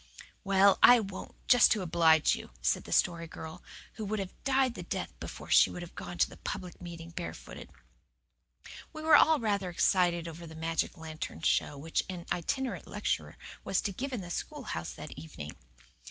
"Well, I won't, just to oblige you," said the Story Girl, who would have died the death before she would have gone to a "public meeting" barefooted. We were all rather excited over the magic lantern show which an itinerant lecturer was to give in the schoolhouse that evening.